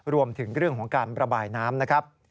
รวมถึงเรื่องของการประบายน้ำ